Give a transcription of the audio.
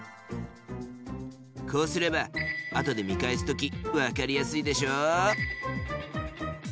こうすればあとで見返す時わかりやすいでしょ？